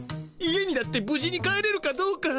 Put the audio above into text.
家にだってぶ事に帰れるかどうか。